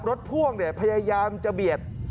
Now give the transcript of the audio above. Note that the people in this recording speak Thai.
พ่วงพยายามจะเบียด